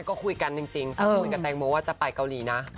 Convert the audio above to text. ก็คุยกันจริงชักคุยกับแตงโมว่าจะไปเกาหลีนะ